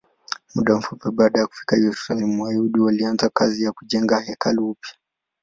Muda mfupi baada ya kufika Yerusalemu, Wayahudi walianza kazi ya kujenga hekalu upya.